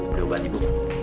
beli obat ibu